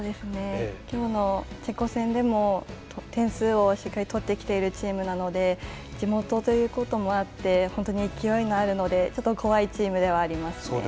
きょうチェコ戦でも点数をしっかり取ってきている選手なので地元ということもあって本当に勢いがあるのでちょっと怖いチームではあります。